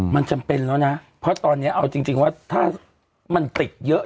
มันจำเป็นแล้วนะเพราะตอนนี้เอาจริงว่าถ้ามันติดเยอะ